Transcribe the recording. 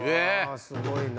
すごいな！